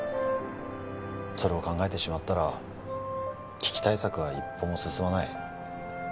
それを考えてしまったら危機対策は一歩も進まない